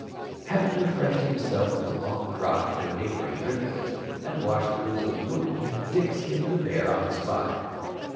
Having refreshed himself with a long draught from a neighbouring rivulet, and washed Crusoe's wound, Dick skinned the bear on the spot.